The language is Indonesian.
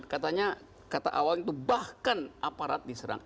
katanya kata awal itu bahkan aparat diserang